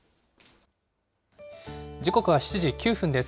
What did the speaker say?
時刻は７時９分です。